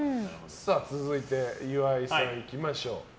続いて岩井さん、行きましょう。